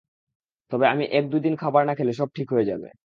তবে আমি এক দুইদিন খাবার না খেলে সব ঠিক হয়ে যাবে।